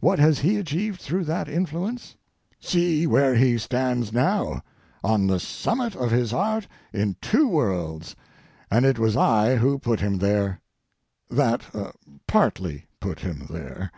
What has he achieved through that influence? See where he stands now—on the summit of his art in two worlds and it was I who put him there—that partly put him there.